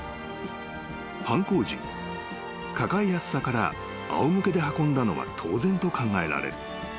［犯行時抱えやすさからあお向けで運んだのは当然と考えられる］